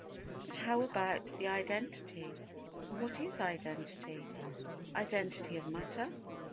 But how about the identity? What is identity? Identity of matter?